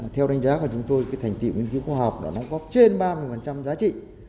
theo đánh giá của chúng tôi thành tiệu nghiên cứu khoa học đã đóng góp trên ba mươi giá trị